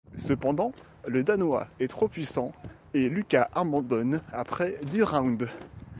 Cependant, le Danois est trop puissant et Lucas abandonne après dix rounds.